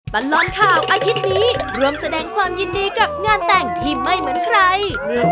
ตลอดข่าวอาทิตย์นี้รวมแสดงความยินดีกับงานแต่งที่ไม่เหมือนใคร